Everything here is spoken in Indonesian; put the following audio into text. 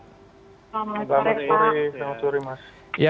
selamat sore pak